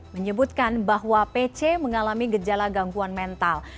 menyebutkan bahwa pc mengalami gejala gangguan mental